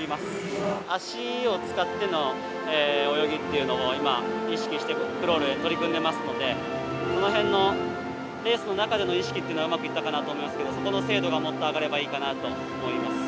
足を使っての泳ぎっていうのを今意識してクロール取り組んでますのでその辺のレースの中での意識っていうのはうまくいったかなと思いますけどそこの精度がもっと上がればいいかなと思います。